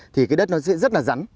thì cái đất nó sẽ rất là rắn